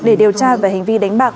để điều tra về hành vi đánh bạc